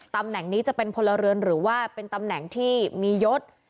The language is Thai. ตำแหน่งนี้จะเป็นพลเรือนหรือว่าเป็นตำแหน่งที่มียศ